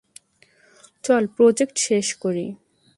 চল প্রজেক্ট শেষ করি।